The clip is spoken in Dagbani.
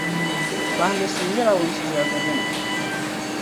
Bahindisuŋ nyɛla wuntizɔriba dini.